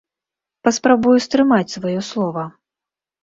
Паспрабую стрымаць сваё слова.